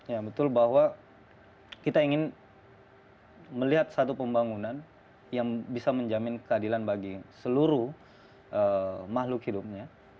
ya betul bahwa kita ingin melihat satu pembangunan yang bisa menjamin keadilan bagi seluruh makhluk hidupnya